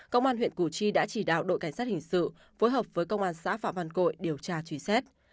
công an huyện củ chi đã chỉ đạo đội cảnh sát hình sự phối hợp với công an xã phạm văn cội điều tra truy xét